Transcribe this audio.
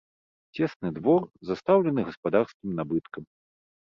Цесны двор, застаўлены гаспадарскім набыткам.